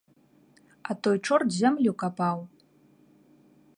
А той чорт зямлю капаў.